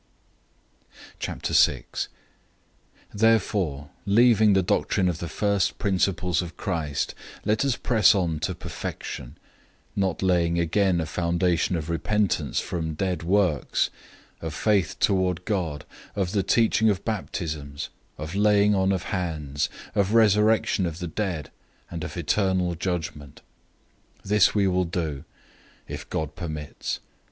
006:001 Therefore leaving the doctrine of the first principles of Christ, let us press on to perfection not laying again a foundation of repentance from dead works, of faith toward God, 006:002 of the teaching of baptisms, of laying on of hands, of resurrection of the dead, and of eternal judgment. 006:003 This will we do, if God permits.